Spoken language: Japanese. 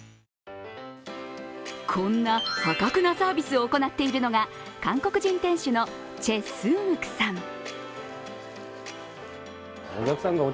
こんな破格なサービスを行っているのが、韓国人店主のチェ・スンウクさん。